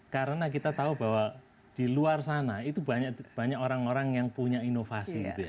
karena kita tahu bahwa di luar sana itu banyak orang orang yang punya inovasi gitu ya